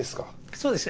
そうです。